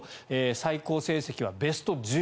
最高成績はベスト１６。